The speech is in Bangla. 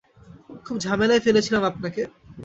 খুব ঝামেলায় ফেলেছিলাম আপনাকে।